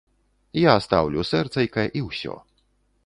Я стаўлю сэрцайка, і ўсё.